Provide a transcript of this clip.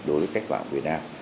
đối với cách bảo việt nam